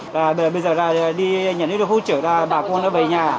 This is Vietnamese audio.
bây giờ là đi nhà nước hỗ trợ bà con về nhà